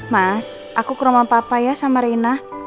mas aku ke rumah papa ya sama rina